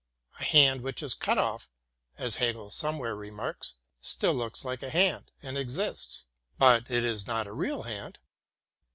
A hand which is cut off, as Hegel somewhere remarks, still looks like a hand, and exists ; but it is not a real hand.